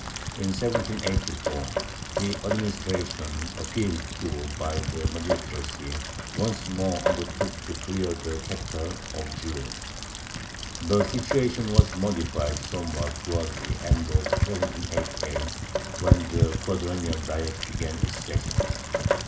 In 1784 the administration, appealed to by the magistracy, once more undertook to clear the capital of Jews. The situation was modified somewhat towards the end of 1788, when the Quadrennial Diet began its sessions.